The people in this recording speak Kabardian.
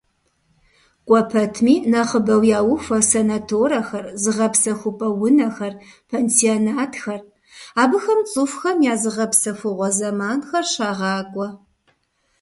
КӀуэ пэтми нэхъыбэу яухуэ санаторэхэр, зыгъэпсэхупӀэ унэхэр, пансионатхэр, абыхэм цӀыхухэм я зыгъэпсэхугъуэ зэманхэр щагъакӀуэ.